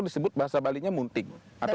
disebut bahasa balinya munting